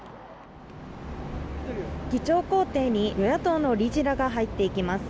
議長公邸に与野党の理事らが入っていきます。